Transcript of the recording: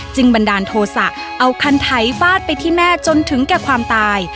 บันดาลโทษะเอาคันไถฟาดไปที่แม่จนถึงแก่ความตาย